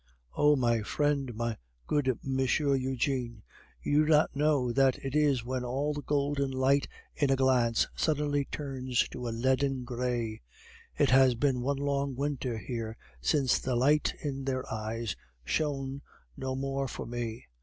Oh! my friend, my good Monsieur Eugene, you do not know that it is when all the golden light in a glance suddenly turns to a leaden gray. It has been one long winter here since the light in their eyes shone no more for me.